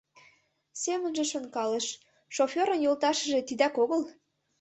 Семынже шонкалыш: «Шофёрын йолташыже тидак огыл?..